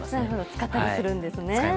使ったりするんですね。